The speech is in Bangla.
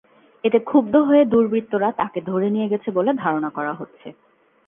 এতে ক্ষুব্ধ হয়ে দুর্বৃত্তরা তাঁকে ধরে নিয়ে গেছে বলে ধারণা করা হচ্ছে।